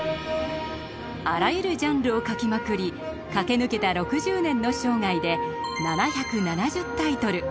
あらゆるジャンルを描きまくり駆け抜けた６０年の生涯で７７０タイトル。